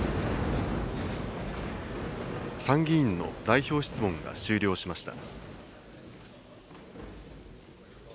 参議院の代表質問が終了しました。